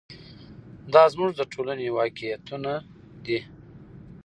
دا زموږ د ټولنې واقعیتونه دي.